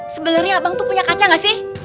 sebenarnya abang tuh punya kaca gak sih